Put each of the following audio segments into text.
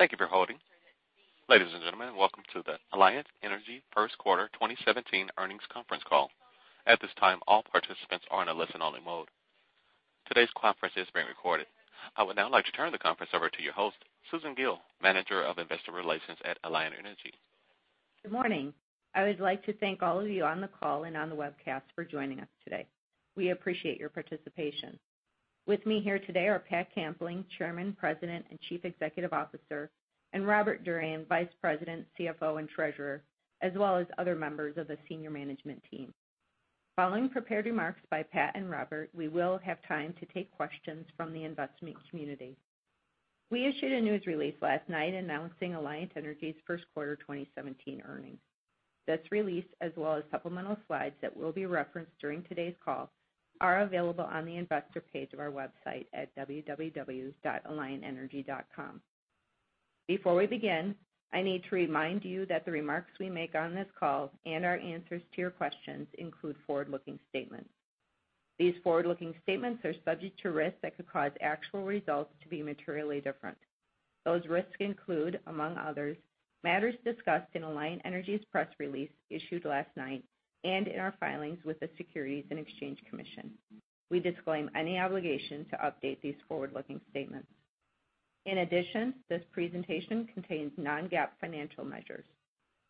Thank you for holding. Ladies and gentlemen, welcome to the Alliant Energy first quarter 2017 earnings conference call. At this time, all participants are in a listen-only mode. Today's conference is being recorded. I would now like to turn the conference over to your host, Susan Gille, Manager of Investor Relations at Alliant Energy. Good morning. I would like to thank all of you on the call and on the webcast for joining us today. We appreciate your participation. With me here today are Patricia Kampling, Chairman, President, and Chief Executive Officer, and Robert Durian, Vice President, CFO, and Treasurer, as well as other members of the senior management team. Following prepared remarks by Pat and Robert, we will have time to take questions from the investment community. We issued a news release last night announcing Alliant Energy's first quarter 2017 earnings. This release, as well as supplemental slides that will be referenced during today's call, are available on the investor page of our website at www.alliantenergy.com. Before we begin, I need to remind you that the remarks we make on this call and our answers to your questions include forward-looking statements. These forward-looking statements are subject to risks that could cause actual results to be materially different. Those risks include, among others, matters discussed in Alliant Energy's press release issued last night and in our filings with the Securities and Exchange Commission. We disclaim any obligation to update these forward-looking statements. In addition, this presentation contains non-GAAP financial measures.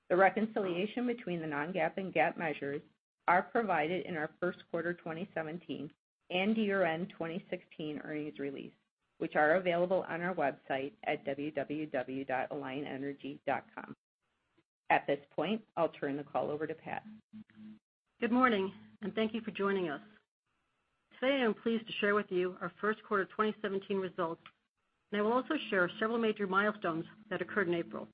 The reconciliation between the non-GAAP and GAAP measures are provided in our first quarter 2017 and year-end 2016 earnings release, which are available on our website at www.alliantenergy.com. At this point, I'll turn the call over to Pat. Good morning. Thank you for joining us. Today, I'm pleased to share with you our first quarter 2017 results. I will also share several major milestones that occurred in April.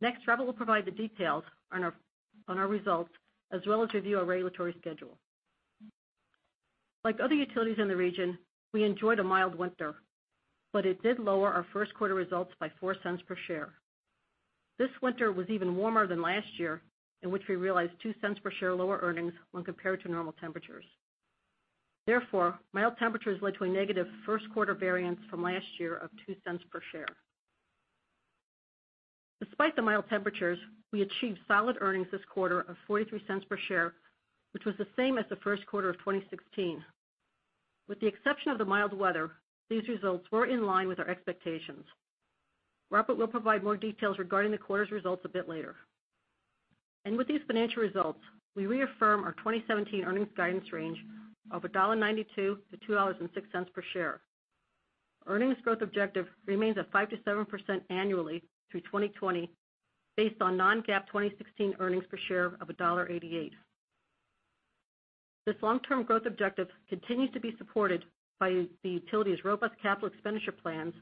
Next, Robert will provide the details on our results as well as review our regulatory schedule. Like other utilities in the region, we enjoyed a mild winter, but it did lower our first quarter results by $0.04 per share. This winter was even warmer than last year, in which we realized $0.02 per share lower earnings when compared to normal temperatures. Therefore, mild temperatures led to a negative first-quarter variance from last year of $0.02 per share. Despite the mild temperatures, we achieved solid earnings this quarter of $0.43 per share, which was the same as the first quarter of 2016. With the exception of the mild weather, these results were in line with our expectations. Robert will provide more details regarding the quarter's results a bit later. With these financial results, we reaffirm our 2017 earnings guidance range of $1.92 to $2.06 per share. Earnings growth objective remains at 5%-7% annually through 2020 based on non-GAAP 2016 earnings per share of $1.88. This long-term growth objective continues to be supported by the utility's robust capital expenditure plans,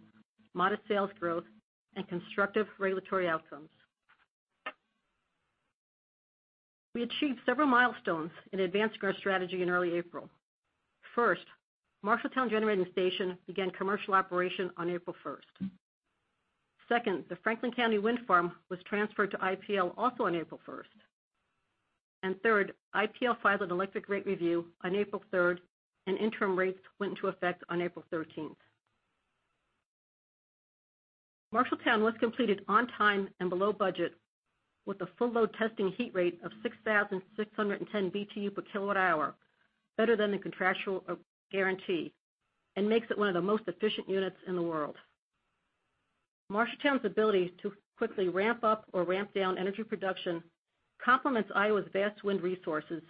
modest sales growth, and constructive regulatory outcomes. We achieved several milestones in advancing our strategy in early April. First, Marshalltown Generating Station began commercial operation on April 1st. Second, the Franklin County Wind Farm was transferred to IPL also on April 1st. Third, IPL filed an electric rate review on April 3rd, and interim rates went into effect on April 13th. Marshalltown was completed on time and below budget with a full load testing heat rate of 6,610 BTU per kilowatt hour, better than the contractual guarantee, and makes it one of the most efficient units in the world. Marshalltown's ability to quickly ramp up or ramp down energy production complements Iowa's vast wind resources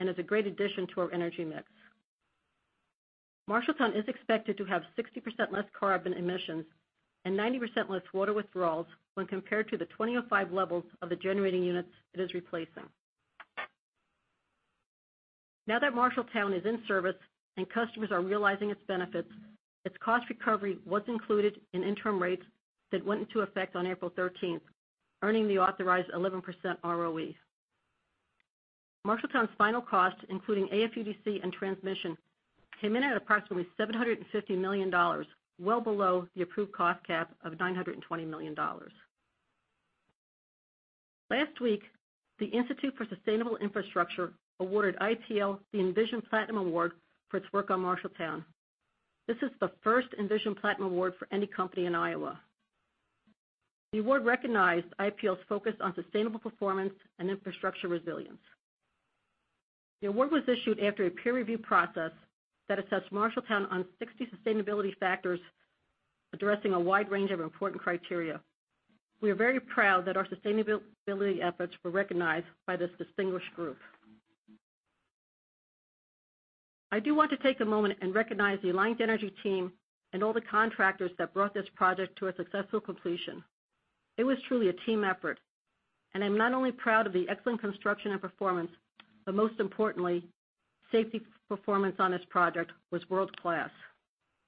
and is a great addition to our energy mix. Marshalltown is expected to have 60% less carbon emissions and 90% less water withdrawals when compared to the 2005 levels of the generating units it is replacing. Now that Marshalltown is in service and customers are realizing its benefits, its cost recovery was included in interim rates that went into effect on April 13th, earning the authorized 11% ROE. Marshalltown's final cost, including AFUDC and transmission, came in at approximately $750 million, well below the approved cost cap of $920 million. Last week, the Institute for Sustainable Infrastructure awarded IPL the Envision Platinum Award for its work on Marshalltown. This is the first Envision Platinum Award for any company in Iowa. The award recognized IPL's focus on sustainable performance and infrastructure resilience. The award was issued after a peer review process that assessed Marshalltown on 60 sustainability factors addressing a wide range of important criteria. We are very proud that our sustainability efforts were recognized by this distinguished group. I do want to take a moment and recognize the Alliant Energy team and all the contractors that brought this project to a successful completion. It was truly a team effort, and I'm not only proud of the excellent construction and performance, but most importantly, safety performance on this project was world-class.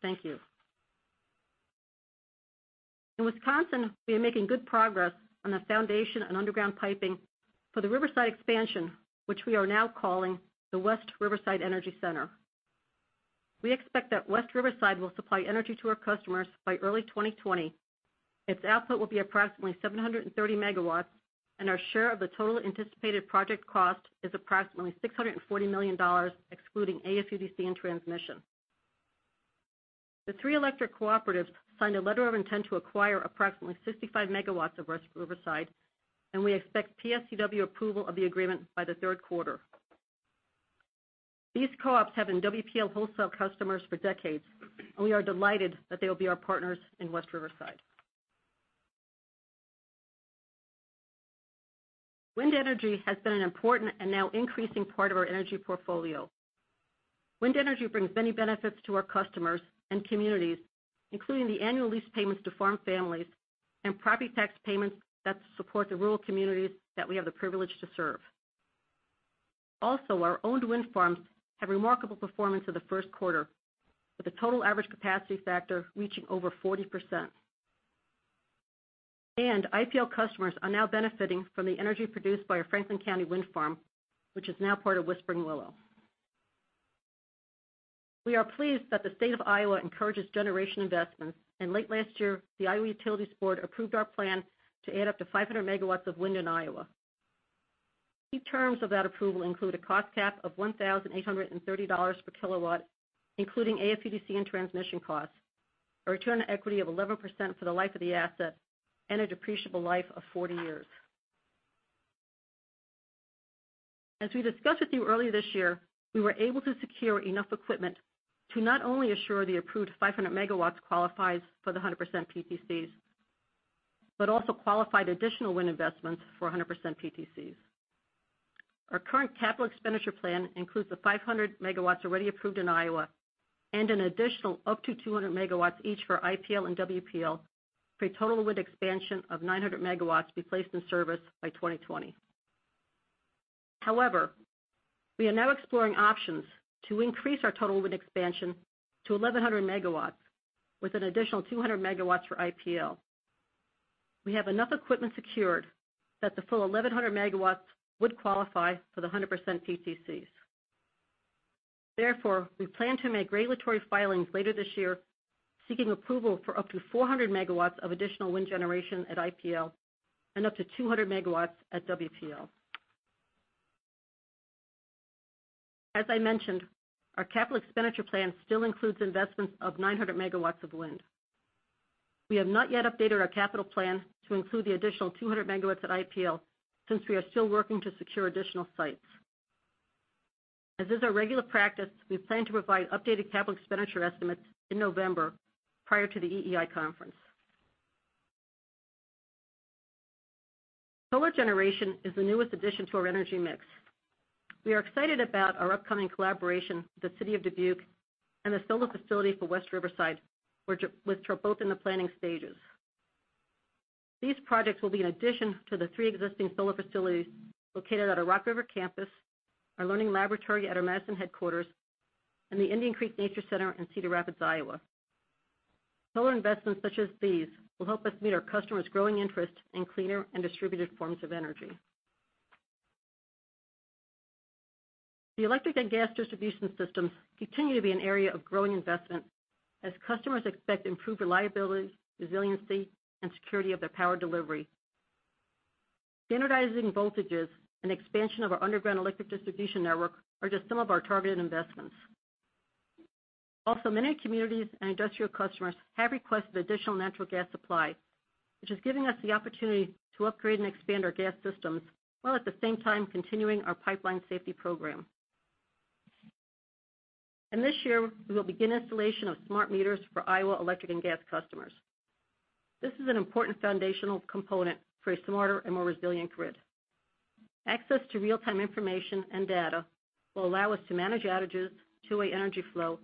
Thank you. In Wisconsin, we are making good progress on the foundation and underground piping for the Riverside expansion, which we are now calling the West Riverside Energy Center. We expect that West Riverside will supply energy to our customers by early 2020. Its output will be approximately 730 megawatts. Our share of the total anticipated project cost is approximately $640 million, excluding AFUDC and transmission. The three electric cooperatives signed a letter of intent to acquire approximately 65 megawatts of West Riverside, and we expect PSCW approval of the agreement by the third quarter. These co-ops have been WPL wholesale customers for decades, and we are delighted that they will be our partners in West Riverside. Wind energy has been an important and now increasing part of our energy portfolio. Wind energy brings many benefits to our customers and communities, including the annual lease payments to farm families, and property tax payments that support the rural communities that we have the privilege to serve. Our own wind farms had remarkable performance in the first quarter, with the total average capacity factor reaching over 40%. IPL customers are now benefiting from the energy produced by our Franklin County Wind Farm, which is now part of Whispering Willow. We are pleased that the State of Iowa encourages generation investments, and late last year, the Iowa Utilities Board approved our plan to add up to 500 megawatts of wind in Iowa. Key terms of that approval include a cost cap of $1,830 per kilowatt, including AFUDC and transmission costs, a return on equity of 11% for the life of the asset, and a depreciable life of 40 years. As we discussed with you earlier this year, we were able to secure enough equipment to not only assure the approved 500 megawatts qualifies for the 100% PTCs, but also qualified additional wind investments for 100% PTCs. Our current capital expenditure plan includes the 500 megawatts already approved in Iowa and an additional up to 200 megawatts each for IPL and WPL, for a total wind expansion of 900 megawatts to be placed in service by 2020. We are now exploring options to increase our total wind expansion to 1,100 megawatts with an additional 200 megawatts for IPL. We have enough equipment secured that the full 1,100 megawatts would qualify for the 100% PTCs. We plan to make regulatory filings later this year, seeking approval for up to 400 megawatts of additional wind generation at IPL and up to 200 megawatts at WPL. As I mentioned, our capital expenditure plan still includes investments of 900 megawatts of wind. We have not yet updated our capital plan to include the additional 200 megawatts at IPL since we are still working to secure additional sites. As is our regular practice, we plan to provide updated capital expenditure estimates in November, prior to the EEI Conference. Solar generation is the newest addition to our energy mix. We are excited about our upcoming collaboration with the City of Dubuque and the solar facility for West Riverside, which are both in the planning stages. These projects will be an addition to the three existing solar facilities located at our Rock River Campus, our learning laboratory at our Madison headquarters, and the Indian Creek Nature Center in Cedar Rapids, Iowa. Solar investments such as these will help us meet our customers' growing interest in cleaner and distributed forms of energy. The electric and gas distribution systems continue to be an area of growing investment as customers expect improved reliability, resiliency, and security of their power delivery. Standardizing voltages and expansion of our underground electric distribution network are just some of our targeted investments. Many communities and industrial customers have requested additional natural gas supply, which is giving us the opportunity to upgrade and expand our gas systems, while at the same time continuing our pipeline safety program. This year, we will begin installation of smart meters for Iowa Electric and gas customers. This is an important foundational component for a smarter and more resilient grid. Access to real-time information and data will allow us to manage outages, two-way energy flow,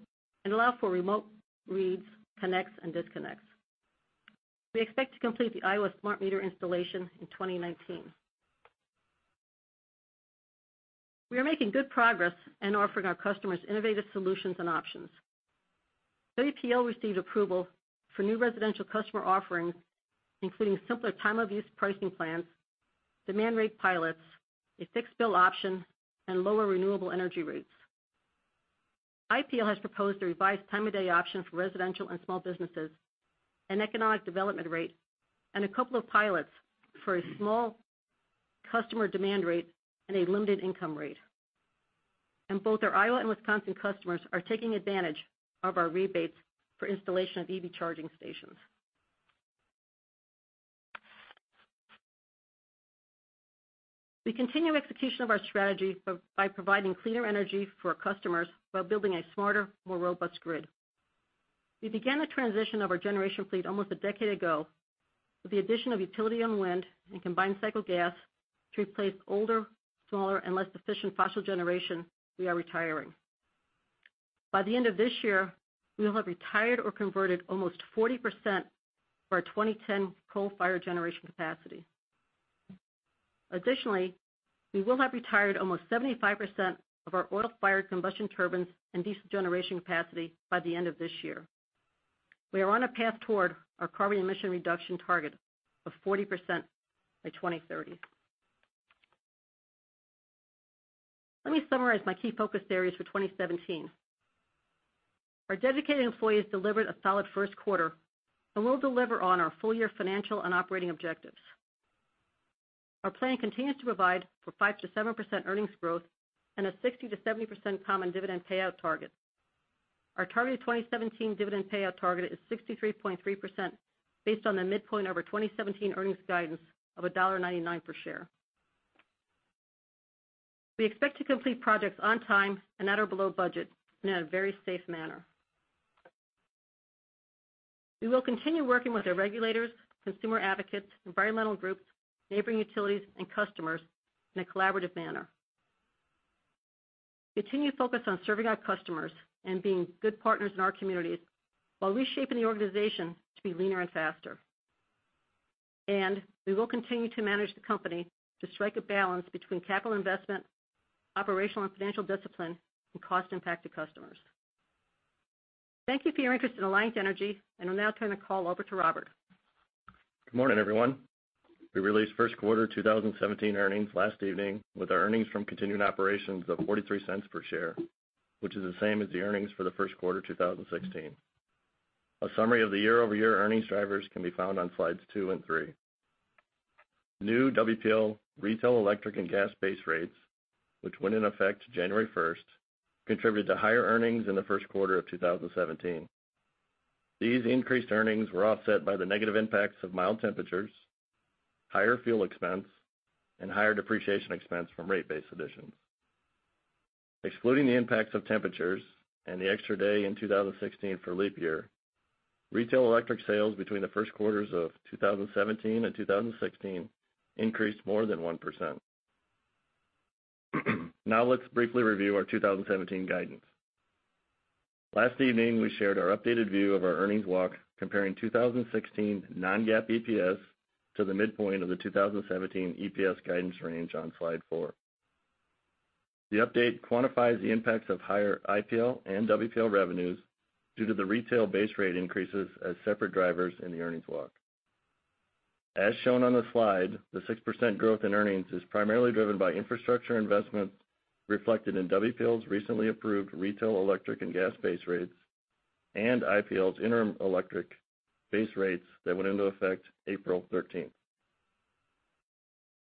and allow for remote reads, connects, and disconnects. We expect to complete the Iowa smart meter installation in 2019. We are making good progress in offering our customers innovative solutions and options. WPL received approval for new residential customer offerings, including simpler time-of-use pricing plans, demand rate pilots, a fixed bill option, and lower renewable energy rates. IPL has proposed a revised time-of-day option for residential and small businesses, an economic development rate, and a couple of pilots for a small customer demand rate and a limited income rate. Both our Iowa and Wisconsin customers are taking advantage of our rebates for installation of EV charging stations. We continue execution of our strategy by providing cleaner energy for our customers while building a smarter, more robust grid. We began the transition of our generation fleet almost a decade ago with the addition of utility-owned wind and combined cycle gas to replace older, smaller and less efficient fossil generation we are retiring. By the end of this year, we will have retired or converted almost 40% of our 2010 coal-fired generation capacity. Additionally, we will have retired almost 75% of our oil-fired combustion turbines and diesel generation capacity by the end of this year. We are on a path toward our carbon emission reduction target of 40% by 2030. Let me summarize my key focus areas for 2017. Our dedicated employees delivered a solid first quarter, and we'll deliver on our full-year financial and operating objectives. Our plan continues to provide for 5%-7% earnings growth and a 60%-70% common dividend payout target. Our targeted 2017 dividend payout target is 63.3%, based on the midpoint of our 2017 earnings guidance of $1.99 per share. We expect to complete projects on time and at or below budget, and in a very safe manner. We will continue working with our regulators, consumer advocates, environmental groups, neighboring utilities, and customers in a collaborative manner. Continued focus on serving our customers and being good partners in our communities while reshaping the organization to be leaner and faster. We will continue to manage the company to strike a balance between capital investment, operational and financial discipline, and cost impact to customers. Thank you for your interest in Alliant Energy, and I'll now turn the call over to Robert. Good morning, everyone. We released first quarter 2017 earnings last evening with our earnings from continuing operations of $0.43 per share, which is the same as the earnings for the first quarter 2016. A summary of the year-over-year earnings drivers can be found on slides two and three. New WPL retail electric and gas base rates, which went in effect January 1st, contributed to higher earnings in the first quarter of 2017. These increased earnings were offset by the negative impacts of mild temperatures, higher fuel expense, and higher depreciation expense from rate base additions. Excluding the impacts of temperatures and the extra day in 2016 for leap year, retail electric sales between the first quarters of 2017 and 2016 increased more than 1%. Let's briefly review our 2017 guidance. Last evening, we shared our updated view of our earnings walk, comparing 2016 non-GAAP EPS to the midpoint of the 2017 EPS guidance range on slide four. The update quantifies the impacts of higher IPL and WPL revenues due to the retail base rate increases as separate drivers in the earnings walk. As shown on the slide, the 6% growth in earnings is primarily driven by infrastructure investments reflected in WPL's recently approved retail electric and gas base rates and IPL's interim electric base rates that went into effect April 13th.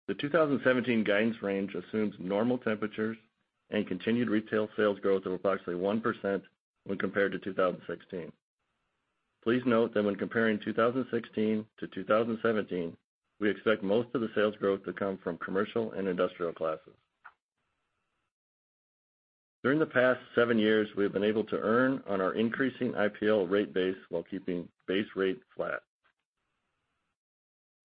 The 2017 guidance range assumes normal temperatures and continued retail sales growth of approximately 1% when compared to 2016. Please note that when comparing 2016 to 2017, we expect most of the sales growth to come from commercial and industrial classes. During the past seven years, we have been able to earn on our increasing IPL rate base while keeping base rate flat.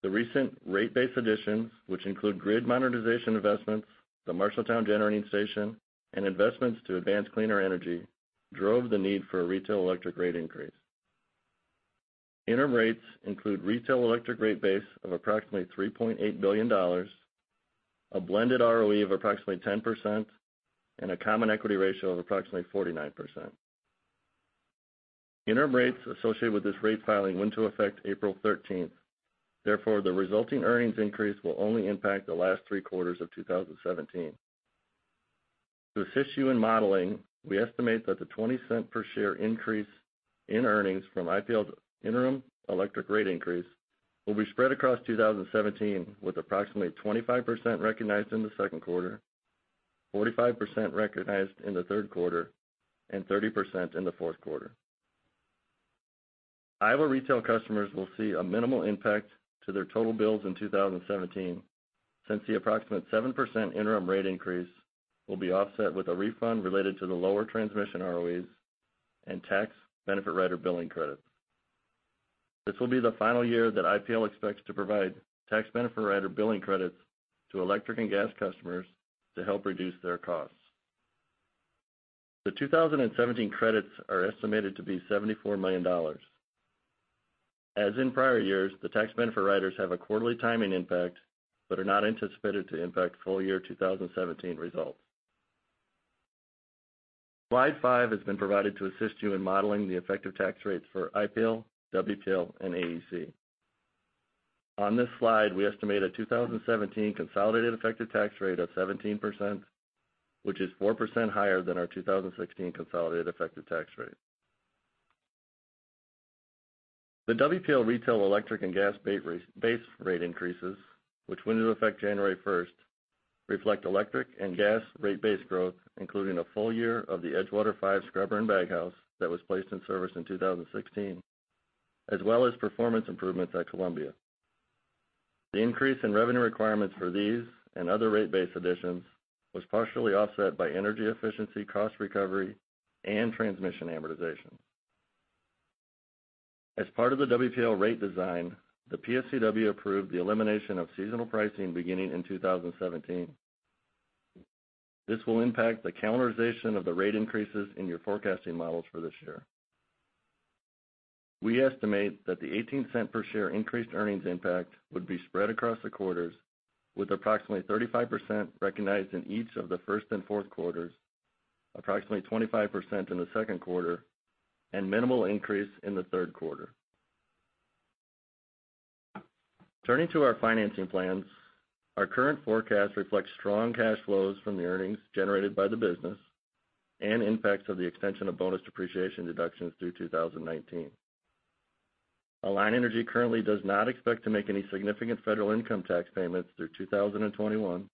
The recent rate base additions, which include grid modernization investments, the Marshalltown Generating Station, and investments to advance cleaner energy, drove the need for a retail electric rate increase. Interim rates include retail electric rate base of approximately $3.8 billion, a blended ROE of approximately 10%, and a common equity ratio of approximately 49%. Interim rates associated with this rate filing went to effect April 13th, therefore, the resulting earnings increase will only impact the last three quarters of 2017. To assist you in modeling, we estimate that the $0.20 per share increase in earnings from IPL's interim electric rate increase will be spread across 2017, with approximately 25% recognized in the second quarter, 45% recognized in the third quarter, and 30% in the fourth quarter. Iowa retail customers will see a minimal impact to their total bills in 2017, since the approximate 7% interim rate increase will be offset with a refund related to the lower transmission ROEs and tax benefit rider billing credits. This will be the final year that IPL expects to provide tax benefit rider billing credits to electric and gas customers to help reduce their costs. The 2017 credits are estimated to be $74 million. As in prior years, the tax benefit riders have a quarterly timing impact but are not anticipated to impact full year 2017 results. Slide five has been provided to assist you in modeling the effective tax rates for IPL, WPL, and AEC. On this slide, we estimate a 2017 consolidated effective tax rate of 17%, which is 4% higher than our 2016 consolidated effective tax rate. The WPL retail electric and gas base rate increases, which went into effect January 1st, reflect electric and gas rate base growth, including a full year of the Edgewater 5 scrubber and baghouse that was placed in service in 2016, as well as performance improvements at Columbia. The increase in revenue requirements for these and other rate base additions was partially offset by energy efficiency, cost recovery, and transmission amortization. As part of the WPL rate design, the PSCW approved the elimination of seasonal pricing beginning in 2017. This will impact the calendarization of the rate increases in your forecasting models for this year. We estimate that the $0.18 per share increased earnings impact would be spread across the quarters, with approximately 35% recognized in each of the first and fourth quarters, approximately 25% in the second quarter, and minimal increase in the third quarter. Turning to our financing plans, our current forecast reflects strong cash flows from the earnings generated by the business and impacts of the extension of bonus depreciation deductions through 2019. Alliant Energy currently does not expect to make any significant federal income tax payments through 2021,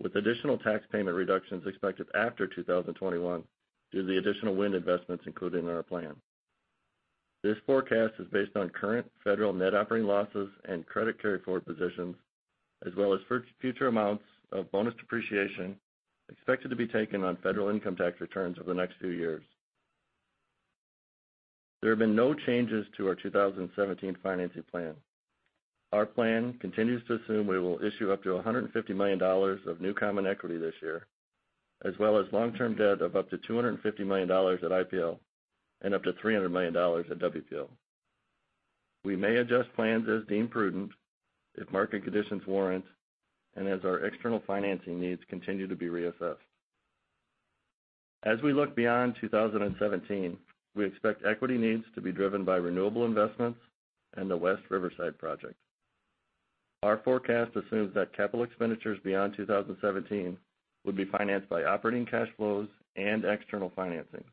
with additional tax payment reductions expected after 2021 due to the additional wind investments included in our plan. This forecast is based on current federal net operating losses and credit carryforward positions, as well as future amounts of bonus depreciation expected to be taken on federal income tax returns over the next few years. There have been no changes to our 2017 financing plan. Our plan continues to assume we will issue up to $150 million of new common equity this year, as well as long-term debt of up to $250 million at IPL and up to $300 million at WPL. We may adjust plans as deemed prudent if market conditions warrant and as our external financing needs continue to be reassessed. As we look beyond 2017, we expect equity needs to be driven by renewable investments and the West Riverside project. Our forecast assumes that capital expenditures beyond 2017 would be financed by operating cash flows and external financing.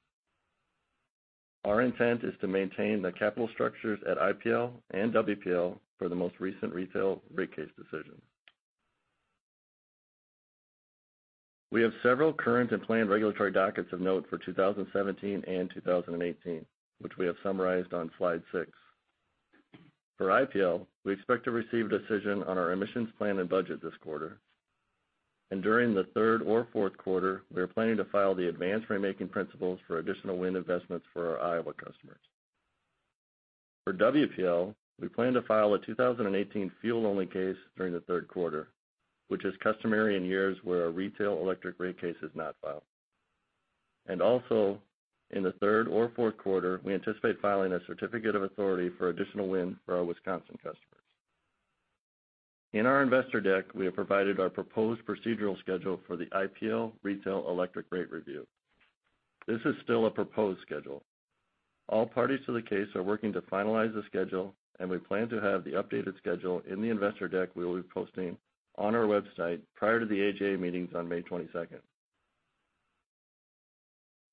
Our intent is to maintain the capital structures at IPL and WPL for the most recent retail rate case decision. We have several current and planned regulatory dockets of note for 2017 and 2018, which we have summarized on slide six. For IPL, we expect to receive a decision on our emissions plan and budget this quarter. During the third or fourth quarter, we are planning to file the advanced rate-making principles for additional wind investments for our Iowa customers. For WPL, we plan to file a 2018 fuel-only case during the third quarter, which is customary in years where a retail electric rate case is not filed. Also, in the third or fourth quarter, we anticipate filing a certificate of authority for additional wind for our Wisconsin customers. In our investor deck, we have provided our proposed procedural schedule for the IPL retail electric rate review. This is still a proposed schedule. All parties to the case are working to finalize the schedule, and we plan to have the updated schedule in the investor deck we will be posting on our website prior to the AGA meetings on May 22nd.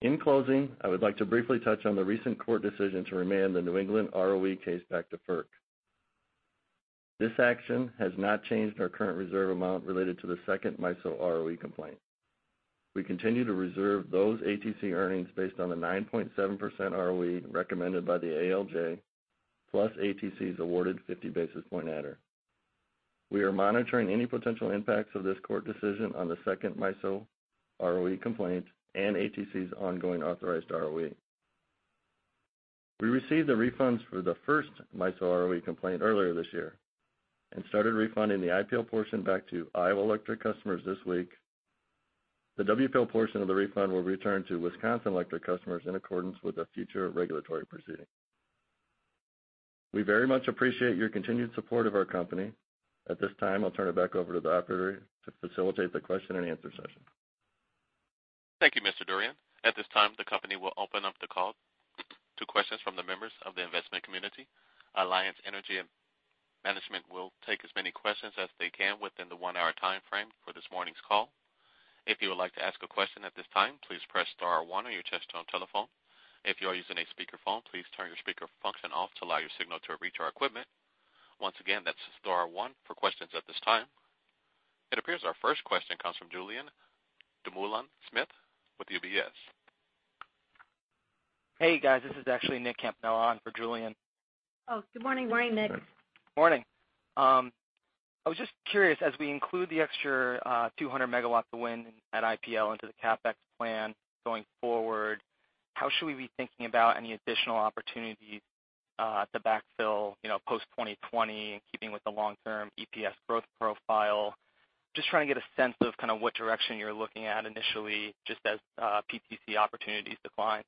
In closing, I would like to briefly touch on the recent court decision to remand the New England ROE case back to FERC. This action has not changed our current reserve amount related to the second MISO ROE complaint. We continue to reserve those ATC earnings based on the 9.7% ROE recommended by the ALJ, plus ATC's awarded 50 basis point adder. We are monitoring any potential impacts of this court decision on the second MISO ROE complaint and ATC's ongoing authorized ROE. We received the refunds for the first MISO ROE complaint earlier this year and started refunding the IPL portion back to Iowa Electric customers this week. The WPL portion of the refund will return to Wisconsin Electric customers in accordance with a future regulatory proceeding. We very much appreciate your continued support of our company. At this time, I'll turn it back over to the operator to facilitate the question and answer session. Thank you, Mr. Durian. At this time, the company will open up the call to questions from the members of the investment community. Alliant Energy management will take as many questions as they can within the one-hour timeframe for this morning's call. If you would like to ask a question at this time, please press star one on your touchtone telephone. If you are using a speakerphone, please turn your speaker function off to allow your signal to reach our equipment. Once again, that's star one for questions at this time. It appears our first question comes from Julien Dumoulin-Smith with UBS. Hey, guys. This is actually Nicholas Campanella now on for Julien. Oh, good morning. Morning, Nick. Morning. I was just curious, as we include the extra 200 MW of wind at IPL into the CapEx plan going forward, how should we be thinking about any additional opportunities to backfill post-2020 and keeping with the long-term EPS growth profile? Just trying to get a sense of kind of what direction you're looking at initially just as PTC opportunities decline.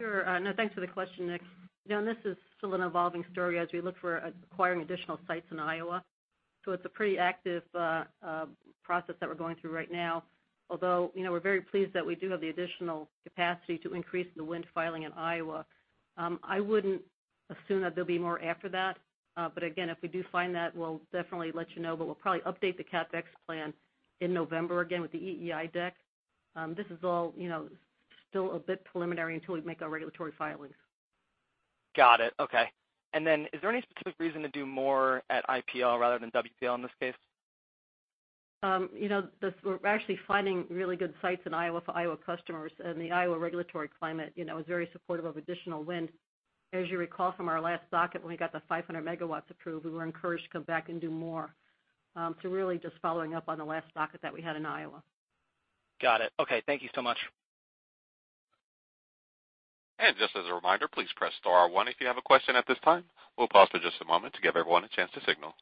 Sure. Thanks for the question, Nick. This is still an evolving story as we look for acquiring additional sites in Iowa. It's a pretty active process that we're going through right now. We're very pleased that we do have the additional capacity to increase the wind filing in Iowa. I wouldn't assume that there'll be more after that. Again, if we do find that, we'll definitely let you know. We'll probably update the CapEx plan in November again with the EEI deck. This is all still a bit preliminary until we make our regulatory filings. Got it. Okay. Is there any specific reason to do more at IPL rather than WPL in this case? We're actually finding really good sites in Iowa for Iowa customers, and the Iowa regulatory climate is very supportive of additional wind. As you recall from our last docket, when we got the 500 megawatts approved, we were encouraged to come back and do more. Really just following up on the last docket that we had in Iowa. Got it. Okay. Thank you so much. Just as a reminder, please press star one if you have a question at this time. We'll pause for just a moment to give everyone a chance to signal.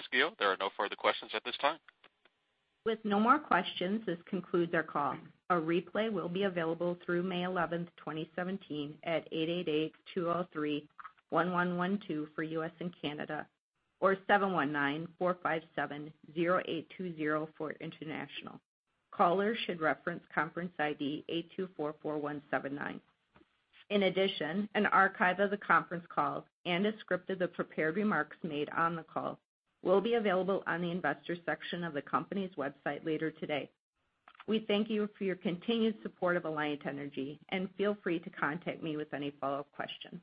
Ms. Gille, there are no further questions at this time. With no more questions, this concludes our call. A replay will be available through May 11th, 2017, at 888-203-1112 for U.S. and Canada or 719-457-0820 for international. Callers should reference conference ID 8244179. In addition, an archive of the conference call and a script of the prepared remarks made on the call will be available on the investors section of the company's website later today. We thank you for your continued support of Alliant Energy. Feel free to contact me with any follow-up questions.